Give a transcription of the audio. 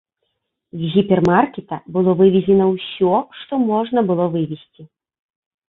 З гіпермаркета было вывезена ўсё, што можна было вывезці.